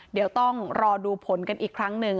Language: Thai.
เดี๋ยวต้องรอดูผลกันอีกครั้งหนึ่ง